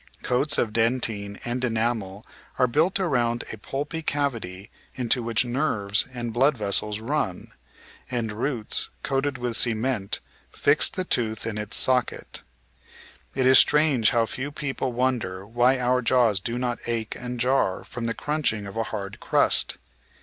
Coats of dentine and enamel are built round a pulpy cavity into which nerves and blood vessels run, and roots, coated with cement, fix the tooth in its socket. It is strange how few people wonder why our jaws do not ache and jar from the crunching of a hard crust.